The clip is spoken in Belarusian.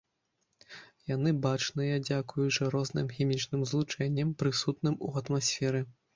Яны бачныя дзякуючы розным хімічным злучэнням, прысутным у атмасферы.